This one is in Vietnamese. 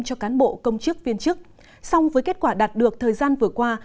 cho cán bộ công chức viên chức song với kết quả đạt được thời gian vừa qua